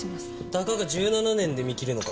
たかが１７年で見切るのか？